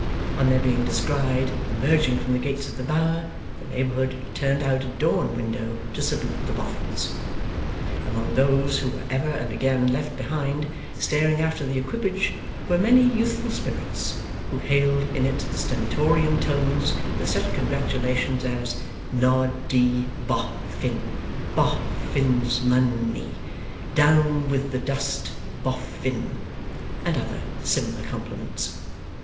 On their being descried emerging from the gates of the Bower, the neighbourhood turned out at door and window to salute the Boffins. Among those who were ever and again left behind, staring after the equipage, were many youthful spirits, who hailed it in stentorian tones with such congratulations as 'Nod dy Bof fin!' 'Bof fin's mon ey!' 'Down with the dust, Bof fin!' and other similar compliments.